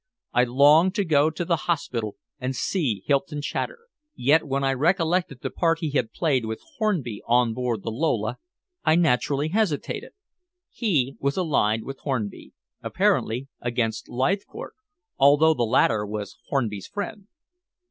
I longed to go to the hospital and see Hylton Chater, yet when I recollected the part he had played with Hornby on board the Lola, I naturally hesitated. He was allied with Hornby, apparently against Leithcourt, although the latter was Hornby's friend.